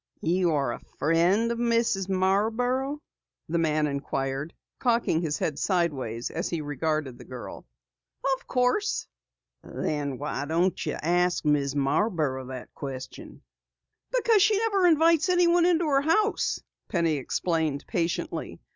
"You are a friend of Mrs. Marborough?" the man inquired, cocking his head sideways as he regarded the girl. "Of course." "Then why do you not ask Mrs. Marborough that question?" "Because she never invites anyone into her house," Penny explained patiently.